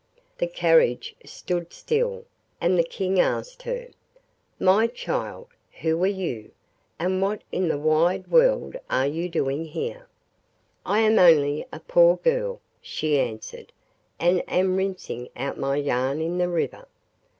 The carriage stood still, and the King asked her: 'My child, who are you, and what in the wide world are you doing here?' 'I am only a poor girl,' she answered, 'and am rinsing out my yarn in the river.